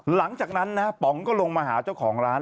หลังจากนั้นนะป๋องก็ลงมาหาเจ้าของร้าน